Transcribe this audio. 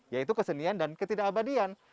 yaitu kesenian dan ketidakabadian